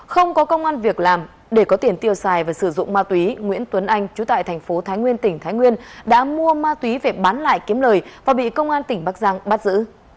không có công an việc làm để có tiền tiêu xài và sử dụng ma túy nguyễn tuấn anh chú tại thành phố thái nguyên tỉnh thái nguyên đã mua ma túy về bán lại kiếm lời và bị công an tỉnh bắc giang bắt giữ